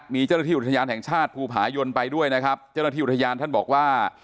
มีเจ้าหน้าที่อุทยานแห่งชาติภูผายนไปด้วยนะครับเจ้าหน้าที่อุทยานท่านบอกว่า